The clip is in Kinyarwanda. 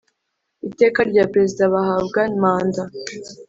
Iteka rya Perezida Bahabwa manda